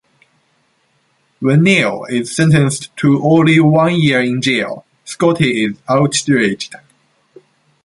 When Nino is sentenced to only one year in jail, Scotty is outraged.